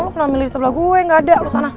lu pernah milih di sebelah gue gak ada lu sana